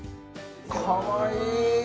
かわいい